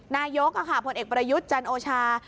นายกผลเอกประยุทธ์จันโอชา